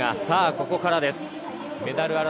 さぁここからです。